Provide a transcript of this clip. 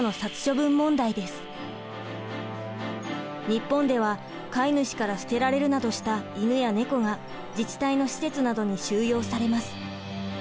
日本では飼い主から捨てられるなどした犬や猫が自治体の施設などに収容されます。